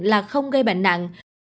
là không gây bệnh nặng